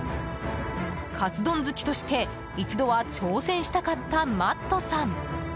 かつ丼好きとして一度は挑戦したかったマットさん。